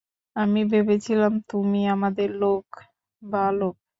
আমি ভেবেছিলাম তুমি আমাদের লোক, বালক।